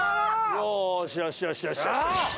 よしよしよし！